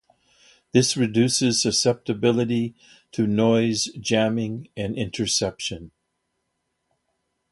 This reduces susceptibility to noise, jamming, and interception.